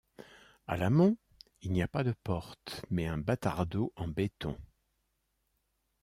À l’amont, il n’y a pas de porte, mais un batardeau en béton.